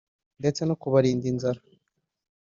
ndetse no kubarinda inzara